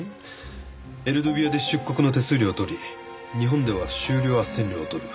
エルドビアで出国の手数料を取り日本では就労斡旋料を取る。